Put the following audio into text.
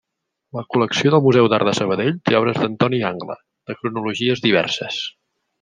La col·lecció del Museu d’Art de Sabadell té obres d’Antoni Angle, de cronologies diverses.